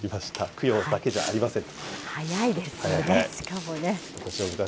供養だけじゃありません。